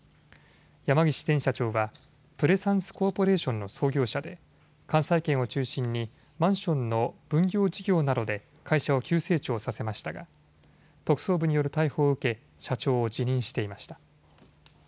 山岸前社長はプレサンスコーポレーションの創業者で関西圏を中心にマンションの分譲事業などで会社を急成長させましたが特捜部による逮捕を受け社長を辞任していました。